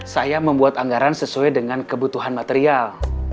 saya membuat anggaran sesuai dengan kebutuhan material